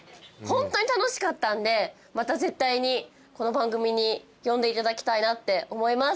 ホントに楽しかったんでまた絶対にこの番組に呼んでいただきたいって思います。